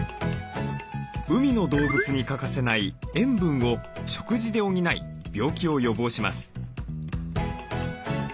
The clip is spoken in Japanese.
海の動物に欠かせない塩分を食事で補い病気を予防します。